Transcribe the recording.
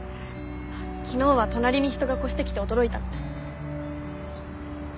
昨日は隣に人が越してきて驚いたみたい。